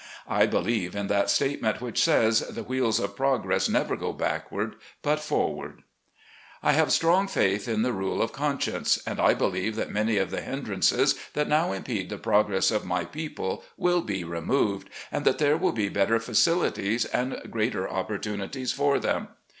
I believe in that statement which says, the wheels of progress never go backward, but for ward. 104 SLAVE CABIN TO PULPIT. I have strong faith in the rule of conscience, and I believe that many of the hindrances that now impede the progress of my people will be removed, and that there will be better facilities, and greater opportunities for them.